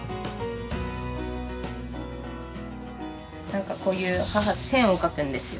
なんかこういう母線を描くんですよ。